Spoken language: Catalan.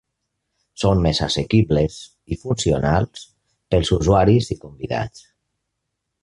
Són més assequibles, i funcionals pels usuaris i convidats.